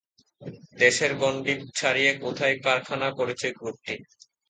দেশের গণ্ডি ছাড়িয়ে কোথায় কারখানা করছে গ্রুপটি?